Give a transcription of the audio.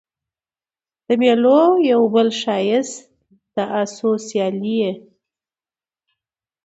د مېلو یو بل ښایست د آسو سیالي يي.